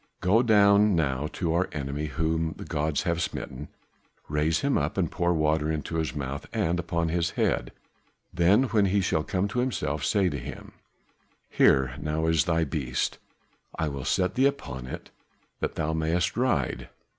Go down now to our enemy whom the gods have smitten, raise him up and pour water into his mouth and upon his head, then when he shall come to himself say to him, 'Here now is thy beast, I will set thee upon it that thou mayest ride.